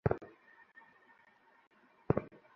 তোমার পরিবারকে মিস কর না?